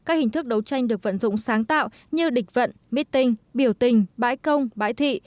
các hình thức đấu tranh được vận dụng sáng tạo như địch vận meeting biểu tình bãi công bãi thị